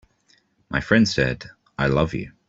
My friend said: "I love you.